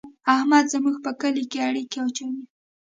احمد زموږ په کار کې اړېکی اچوي.